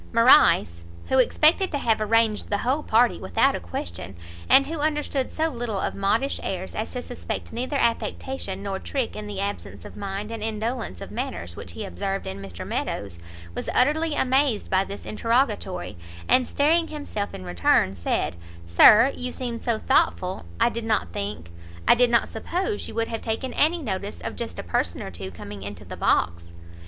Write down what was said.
Morrice, who expected to have arranged the whole party without a question, and who understood so little of modish airs as to suspect neither affectation nor trick in the absence of mind and indolence of manners which he observed in Mr Meadows, was utterly amazed by this interrogatory, and staring himself in return, said, "Sir, you seemed so thoughtful I did not think I did not suppose you would have taken any notice of just a person or two coming into the box."